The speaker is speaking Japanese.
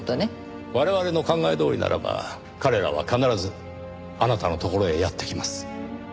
我々の考えどおりならば彼らは必ずあなたの所へやって来ます。